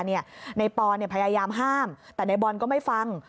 นายปอนพยายามห้ามแต่ในบอลก็ไม่ฟัง